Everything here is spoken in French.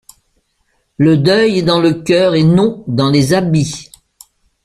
Le deuil est dans le cœur et non dans les habits.